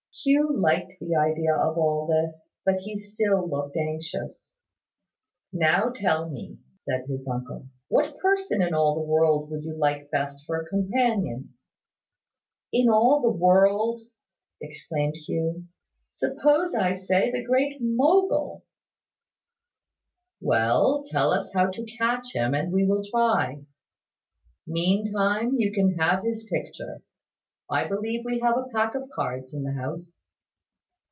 Hugh liked the idea of all this: but he still looked anxious. "Now tell me," said his uncle, "what person in all the world you would like best for a companion?" "In all the world!" exclaimed Hugh. "Suppose I say the Great Mogul!" "Well; tell us how to catch him, and we will try. Meantime, you can have his picture. I believe we have a pack of cards in the house."